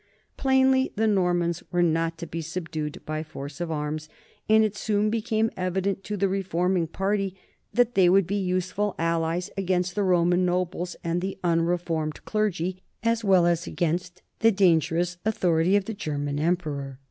Plainly the Normans were not to be sub dued by force of arms, and it soon became evident to the reforming party that they would be useful allies against the Roman nobles and the unreformed clergy, as well as against the dangerous authority of the Ger man emperor.